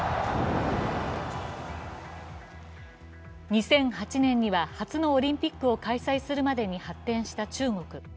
２００８年には初のオリンピックを開催するまでに発展した中国。